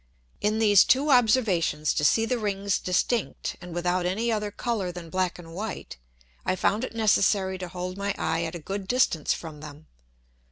In these two Observations to see the Rings distinct, and without any other Colour than Black and white, I found it necessary to hold my Eye at a good distance from them.